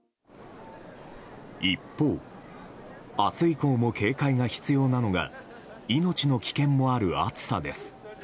一方、明日以降も警戒が必要なのが命の危険もある暑さです。